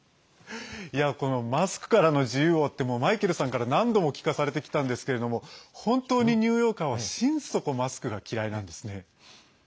マスクからの自由をってマイケルさんから何度も聞かされてきたんですけれども本当にニューヨーカーは心底マスクが嫌いなんですね。